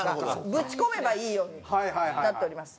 ぶち込めばいいようになっております。